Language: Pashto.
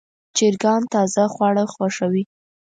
چرګان تازه خواړه خوښوي.